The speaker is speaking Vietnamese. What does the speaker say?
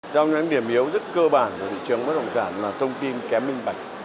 trong những điểm yếu rất cơ bản của thị trường bất động sản là thông tin kém minh bạch